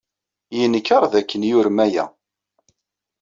Yenkeṛ dakken yurem aya.